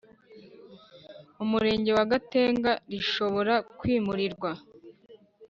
Umurenge wa Gatenga rishobora kwimurirwa